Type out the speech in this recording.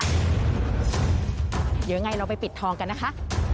เดี๋ยวไงเราไปปิดทองกันนะคะ